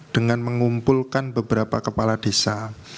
dengan mengumpulkan beberapa kepala desa